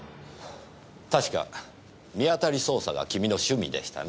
確か見当たり捜査が君の趣味でしたね。